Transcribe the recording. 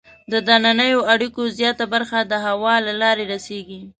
د دنننیو اړیکو زیاته برخه د هوا له لارې رسیږي.